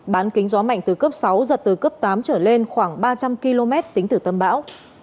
bán kính gió mạnh từ cấp sáu giật từ cấp tám trở lên khoảng ba trăm linh km tính từ tâm bão